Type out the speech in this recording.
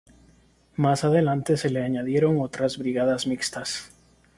Más adelante se le añadieron otras brigadas mixtas.